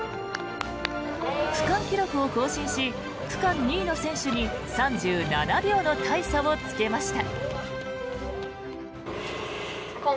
区間記録を更新し区間２位の選手に３７秒の大差をつけました。